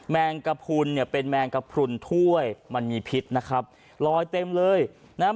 แมงกระพุนเนี่ยเป็นแมงกระพรุนถ้วยมันมีพิษนะครับลอยเต็มเลยนะฮะ